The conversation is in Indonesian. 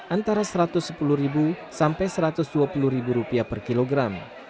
antara satu ratus sepuluh sampai satu ratus dua puluh rupiah per kilogram